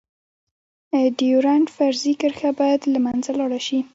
ډيورنډ فرضي کرښه باید لمنځه لاړه شی.